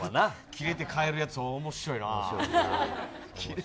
キレて帰るやつ、面白いな。